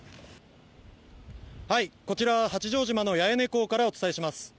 こちらは八丈島の八重根港からお伝えします。